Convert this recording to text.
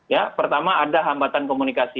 ya pertama ada hambatan komunikasi